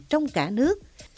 trong cả nước